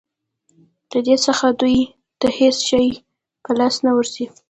له دې څخه دوی ته هېڅ شی په لاس نه ورځي.